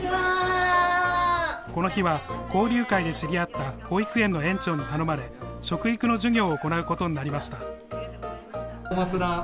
この日は交流会で知り合った保育園の園長に頼まれ、食育の授業を行うことになりました。